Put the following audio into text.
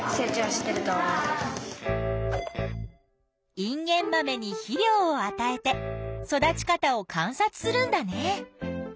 インゲンマメに肥料を与えて育ち方を観察するんだね。